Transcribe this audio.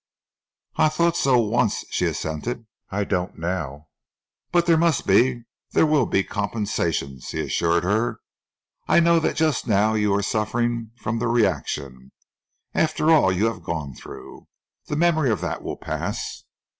"I thought so once," she assented. "I don't now." "But there must be there will be compensations," he assured her. "I know that just now you are suffering from the reaction after all you have gone through. The memory of that will pass."